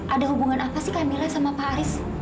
ada hubungan apa sih kamila sama pak haris